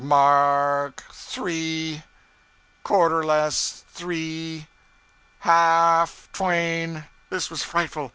M a r k three... Quarter less three!... Half twain!' This was frightful!